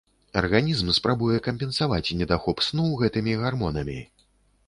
Арганізм спрабуе кампенсаваць недахоп сну гэтымі гармонамі.